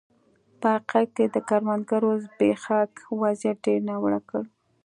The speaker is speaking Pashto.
په حقیقت کې د کروندګرو زبېښاک وضعیت ډېر ناوړه کړ.